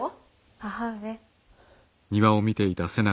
母上。